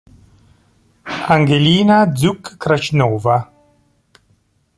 Angelina Žuk-Krasnova